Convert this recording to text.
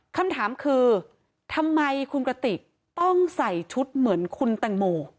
คำถามคือทำไมคุณกระติกต้องใส่ชุดเหมือนคุณแตงโม